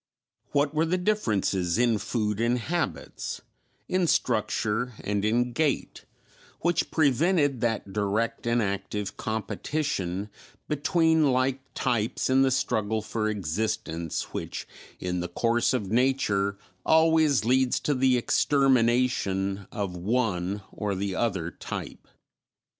What were the differences in food and habits, in structure and in gait, which prevented that direct and active competition between like types in the struggle for existence which in the course of nature always leads to the extermination of one or the other type?